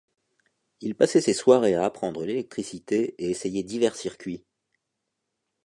Il passait ses soirées à apprendre l’électricité et essayait divers circuits.